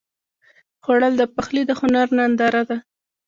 خوړل د پخلي د هنر ننداره ده